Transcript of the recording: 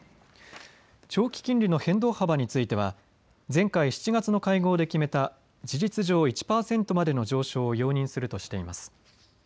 長期金利の変動幅については前回７月の会合で決めた事実上１％までの上昇を容認するとしています。